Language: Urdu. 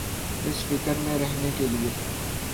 اس فکر میں رہنے کیلئے۔